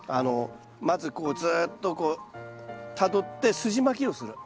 まずこうずっとたどってすじまきをする。